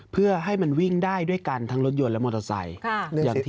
เพื่อให้มันวิ่งได้ด้วยกันทั้งรถยนต์และมอเตอร์ไซค์